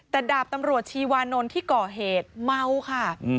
แต่ดาบตำรวจชีวานนท์ที่ก่อเหตุเมาค่ะ